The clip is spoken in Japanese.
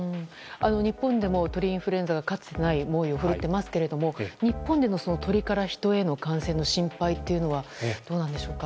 日本でも鳥インフルエンザがかつてない猛威を振るっていますけれども日本での鳥から人への感染の心配はどうなんでしょうか。